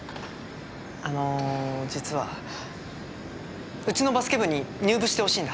あの実はうちのバスケ部に入部してほしいんだ。